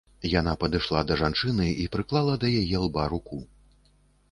Яна падышла да жанчыны і прыклала да яе лба руку.